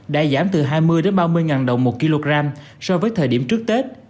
đã giảm từ hai mươi ba mươi ngàn đồng một kg so với thời điểm trước tết